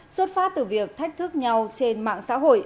xuất phát từ việc thách thức nhau trên mạng xã hội